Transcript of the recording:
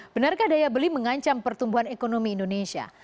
benarkah daya beli mengancam pertumbuhan ekonomi indonesia